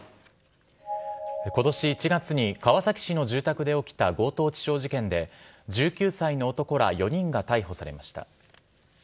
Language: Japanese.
ことし１月に、川崎市の住宅で起きた強盗致傷事件で、１９歳の男ら４人が逮捕されました。